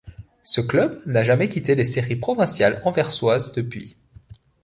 Ce club n'a jamais quitté les séries provinciales anversoises depuis.